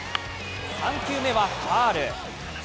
３球目はファウル。